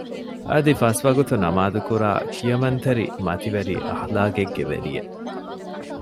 އަދި ފަސްވަގުތު ނަމާދުކުރާ ކިޔަމަންތެރި މަތިވެރި އަޚްލާގެއްގެ ވެރިއެއް